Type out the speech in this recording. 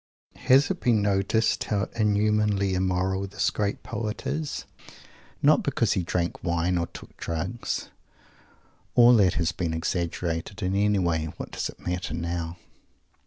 Has it been noticed how inhumanly immoral this great poet is? Not because he drank wine or took drugs. All that has been exaggerated, and, anyway, what does it matter now?